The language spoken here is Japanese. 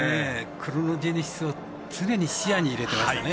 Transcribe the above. クロノジェネシスを常に視野に入れてましたね。